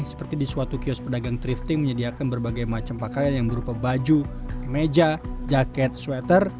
seperti di suatu kios pedagang drifting menyediakan berbagai macam pakaian yang berupa baju meja jaket sweater